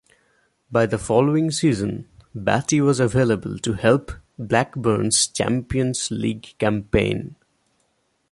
By the following season Batty was available to help Blackburn's Champions League campaign.